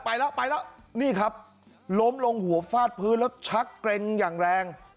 ไปแล้วไปแล้วนี่ครับล้มลงหัวฟาดพื้นแล้วชักเกร็งอย่างแรง